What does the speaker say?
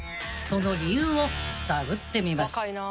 その理由を探ってみます］